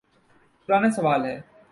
پرانا سوال ہے۔